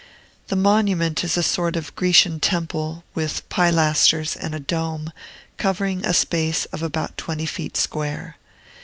The monument is a sort of Grecian temple, with pilasters and a dome, covering a space of about twenty feet square.